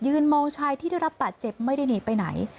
มองชายที่ได้รับบาดเจ็บไม่ได้หนีไปไหน